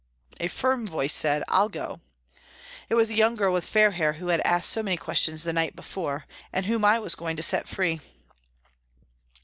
A firm voice said :" I'll go." It was the young girl with fair hair who had asked so many questions the night before, and whom I was going to set free.